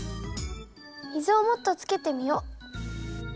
水をもっとつけてみよう。